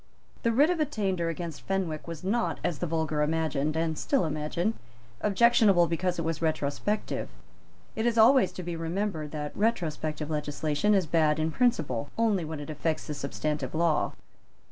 The writ of attainder against Fenwick was not, as the vulgar imagined and still imagine, objectionable because it was retrospective. It is always to be remembered that retrospective legislation is bad in principle only when it affects the substantive law.